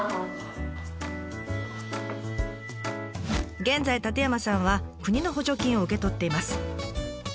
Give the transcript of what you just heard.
現在舘山さんは国の補助金を受け取っています。